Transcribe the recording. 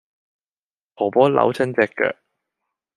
婆婆扭親隻腳